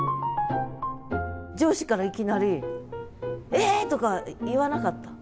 上司からいきなり「え！」とか言わなかった？